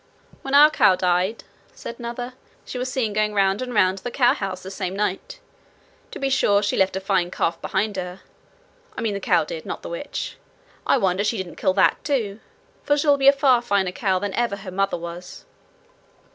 'When our cow died,' said another, 'she was seen going round and round the cowhouse the same night. To be sure she left a fine calf behind her I mean the cow did, not the witch. I wonder she didn't kill that, too, for she'll be a far finer cow than ever her mother was.'